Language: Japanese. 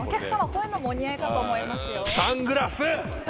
こういうのもお似合いかと思いますよ。